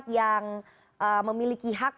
yang memiliki hak